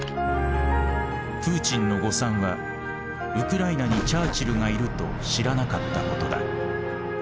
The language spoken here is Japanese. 「プーチンの誤算はウクライナにチャーチルがいると知らなかったことだ」。